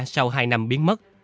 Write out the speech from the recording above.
sau hai năm biến mất